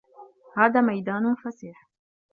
هَذَا مَيْدَانٌ فَسِيحٌ.